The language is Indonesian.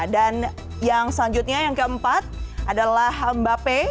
dan yang selanjutnya yang keempat adalah mbak peh